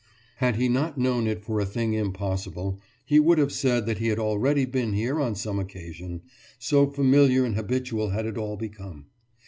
Had he not known it for a thing impossible, he would have said that he had already been here on some occasion, so familiar and habitual had it all become.